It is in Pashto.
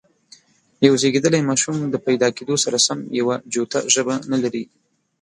یو زېږيدلی ماشوم د پیدا کېدو سره سم یوه جوته ژبه نه لري.